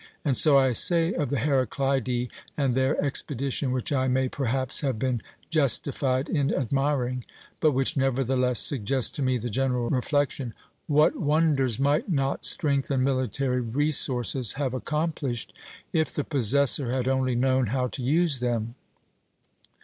And so I say of the Heraclidae and their expedition, which I may perhaps have been justified in admiring, but which nevertheless suggests to me the general reflection, 'What wonders might not strength and military resources have accomplished, if the possessor had only known how to use them!'